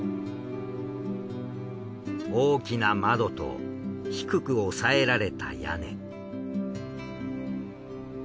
大きな窓と低く抑えられた屋根。